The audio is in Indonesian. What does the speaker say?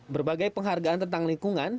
berbagai penghargaan tentang lingkungan